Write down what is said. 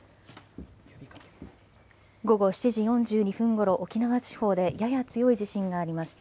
午後７時４２分ごろ、沖縄地方でやや強い地震がありました。